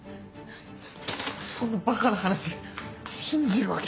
そんなバカな話信じるわけ。